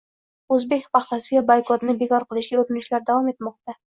O'zbek paxtasiga boykotni bekor qilishga urinishlar davom etmoqda